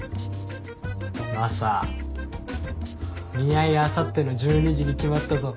マサ見合いあさっての１２時に決まったぞ。